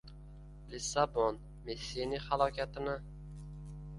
Lissabon, Messini halokatini.